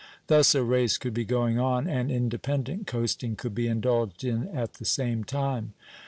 Thus a race could be going on, and independent coasting could be indulged in at the same time.